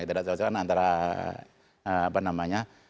ketidak cocokan antara apa namanya